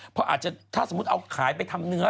เพราะอาจจะถ้าสมมุติเอาขายไปทำเนื้อ